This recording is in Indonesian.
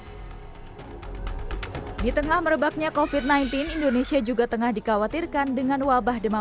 hai di tengah merebaknya kofit sembilan belas indonesia juga tengah dikhawatirkan dengan wabah demam